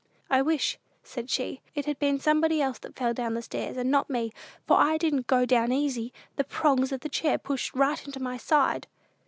"I wish," said she, "it had been somebody else that fell down stairs, and not me, for I didn't go down easy! The prongs of the chair pushed right into my side."